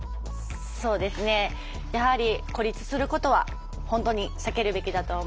そうですねやはり孤立することは本当に避けるべきだと思います。